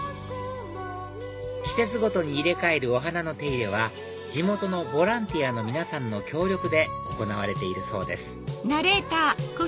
季節ごとに入れ替えるお花の手入れは地元のボランティアの皆さんの協力で行われているそうです